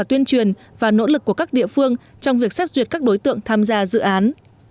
tuyên truyền và nỗ lực của các địa phương trong việc xét duyệt các đối tượng tham gia dự án